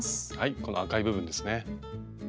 この赤い部分ですね。